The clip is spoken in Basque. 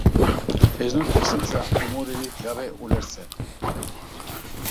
Ez dut bizitza umorerik gabe ulertzen.